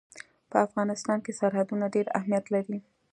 په افغانستان کې سرحدونه ډېر اهمیت لري.